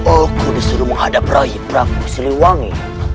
aku disuruh menghadapi rakyat siliwangi